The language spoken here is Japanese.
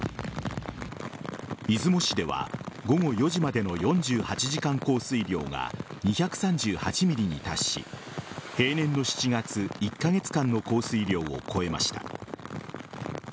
出雲市では午後４時までの４８時間降水量が２３８ｍｍに達し平年の７月１カ月間の降水量を超えました。